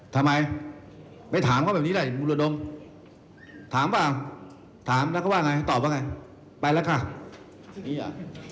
ทำไมไม่ถามเขาแบบนี้ได้บุรุธดมถามฟะถามแล้วก็ว่าไงตอบว่าไงไปแล้วค่ะนี่อ่ะ